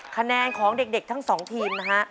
คะแนนของเด็กทั้งสองทีมนะฮะ